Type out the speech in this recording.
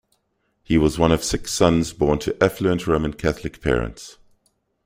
He was one of six sons born to affluent Roman Catholic parents.